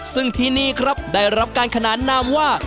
ซึ่งที่นี่ครับได้รับการขนานนามว่า